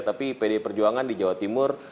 tapi pdi perjuangan di jawa timur